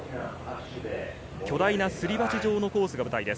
巨大なすり鉢状のコースが舞台です。